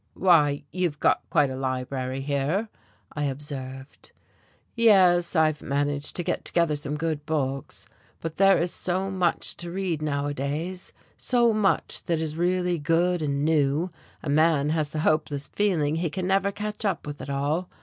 "Why, you've got quite a library here," I observed. "Yes, I've managed to get together some good books. But there is so much to read nowadays, so much that is really good and new, a man has the hopeless feeling he can never catch up with it all.